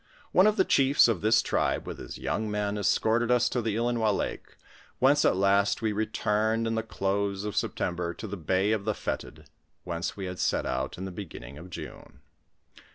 One of the chiefs of this tribe with his young men, escorted us to the Ilinois lake, whence at last we returned in the close of September to the bay of the Fetid, whence wo had set out in the beginning of June.